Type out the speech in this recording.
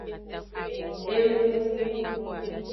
Enununu.